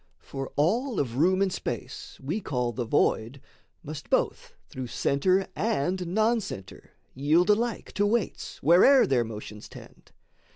For all of room and space we call the void Must both through centre and non centre yield Alike to weights where'er their motions tend.